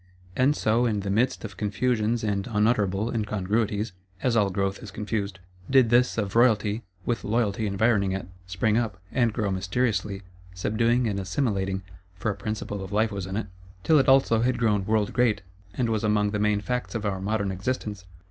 And so, in the midst of confusions and unutterable incongruities (as all growth is confused), did this of Royalty, with Loyalty environing it, spring up; and grow mysteriously, subduing and assimilating (for a principle of Life was in it); till it also had grown world great, and was among the main Facts of our modern existence.